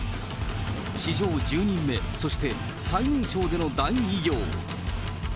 史上１０人目、そして最年少での大偉業。